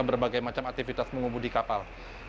berbagai manfaat mengubu di kapal